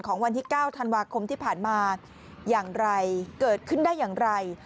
วันที่๙ธันวาคมที่ผ่านมาอย่างไรเกิดขึ้นได้อย่างไร